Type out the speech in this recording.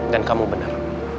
dan kamu benar